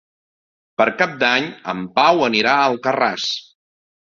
Per Cap d'Any en Pau anirà a Alcarràs.